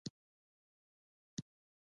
زه د ټک ټاک محتوا خوښوم.